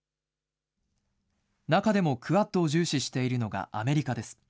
中でもクアッドを重視しているのがアメリカです。